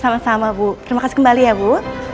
sama sama bu terima kasih kembali ya bu